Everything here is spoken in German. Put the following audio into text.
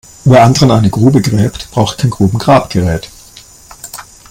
Wer anderen eine Grube gräbt, braucht ein Grubengrabgerät.